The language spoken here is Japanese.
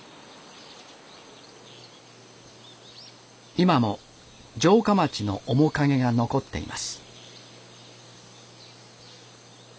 今も城下町の面影が残っています。